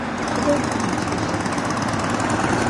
Tıde vukhiç'ıja?